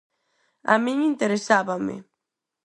A min interesábame.